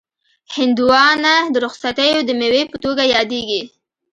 هندوانه د رخصتیو د مېوې په توګه یادیږي.